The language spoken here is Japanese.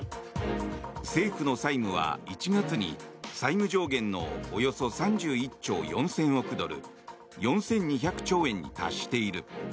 政府の債務は１月に、債務上限のおよそ３１兆４０００億ドル４２００兆円に達している。